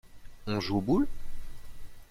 On joue aux boules?